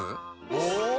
お！